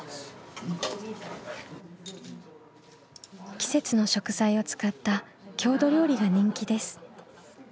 季節の食材を使った郷土料理が人気です。